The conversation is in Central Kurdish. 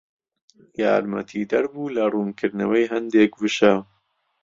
یارمەتیدەر بوو لە ڕوونکردنەوەی هەندێک وشە